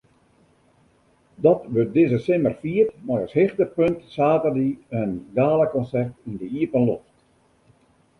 Dat wurdt dizze simmer fierd mei as hichtepunt saterdei in galakonsert yn de iepenloft.